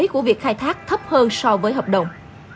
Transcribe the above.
của việc khai thác thấp hơn so với hợp đồng